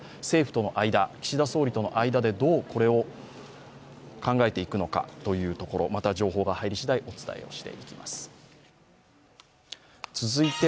政府との間、岸田総理との間でどうこれを考えていくのかというところ、また情報が入りしだい